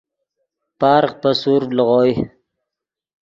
پارغ پے سورڤ لیغوئے